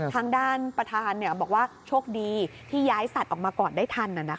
ทางด้านประธานบอกว่าโชคดีที่ย้ายสัตว์ออกมาก่อนได้ทัน